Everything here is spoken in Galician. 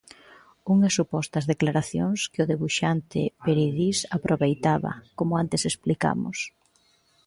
Unhas supostas declaracións que o debuxante Peridis aproveitaba, como antes explicamos.